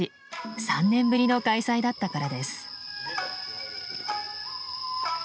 ３年ぶりの開催だったからです。